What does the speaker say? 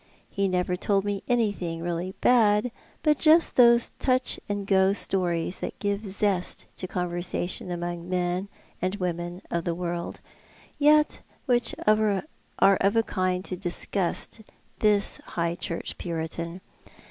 Ho never told me anything really bad, but just those touch and go stories that give zest to conversation among men and women of the world, yet which are of a kind to disgust this High Church Puritan.